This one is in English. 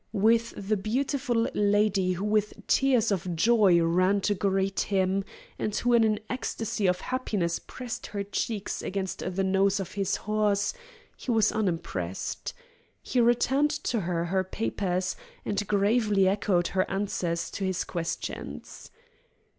With the beautiful lady who with tears of joy ran to greet him, and who in an ecstasy of happiness pressed her cheek against the nose of his horse, he was unimpressed. He returned to her her papers and gravely echoed her answers to his questions.